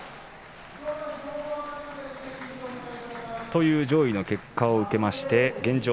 という上位の結果を受けまして現状